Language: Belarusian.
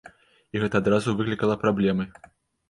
І гэта адразу выклікала праблемы.